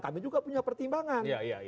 kami juga punya pertimbangan